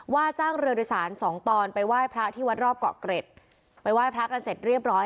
ว่าจ้างเรือโดยสารสองตอนไปไหว้พระที่วัดรอบเกาะเกร็ดไปไหว้พระกันเสร็จเรียบร้อย